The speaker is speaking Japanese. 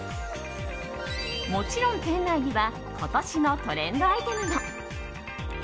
もちろん店内には今年のトレンドアイテムも。